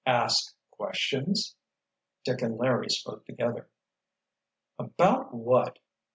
"Ask—questions?" Dick and Larry spoke together. "About what?"